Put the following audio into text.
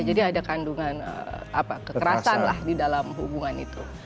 jadi ada kandungan kekerasan lah di dalam hubungan itu